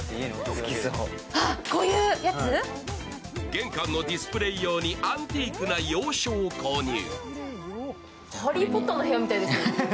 玄関のディスプレー用にアンティークな洋書を購入。